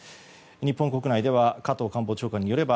日本国内では加藤官房長官によれば